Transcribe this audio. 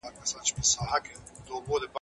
څنګه غوړ اوږده موده انرژي ورکوي؟